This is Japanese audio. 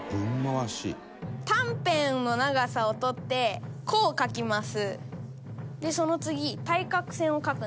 短辺の長さを取って弧を描きます。